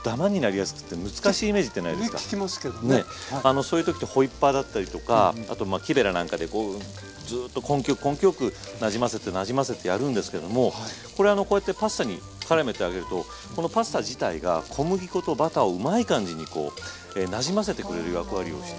そういう時ってホイッパーだったりとかあとまあ木べらなんかでずっと根気よく根気よくなじませてなじませてやるんですけどもこれあのこうやってパスタにからめてあげるとこのパスタ自体が小麦粉とバターをうまい感じにこうなじませてくれる役割をして。